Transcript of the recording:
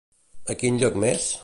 A quin lloc més?